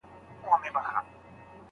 بازار باید د حکومت لخوا کنټرول شي.